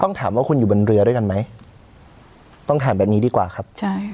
ต้องถามว่าคุณอยู่บนเรือด้วยกันไหมต้องถามแบบนี้ดีกว่าครับใช่